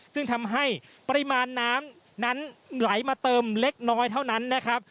ซึ่งทำให้ปริมาณน้ำนั้นไหลมาเติมเล็กน้อยเท่านั้นนะครับ